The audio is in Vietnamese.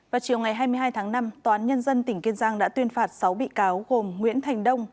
vào chiều ngày hai mươi hai tháng năm tòa án nhân dân tỉnh kiên giang đã tuyên phạt sáu bị cáo gồm nguyễn thành đông